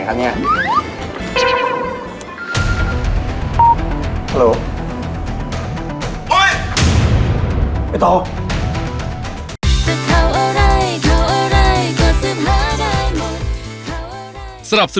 ยังไม่มีครับ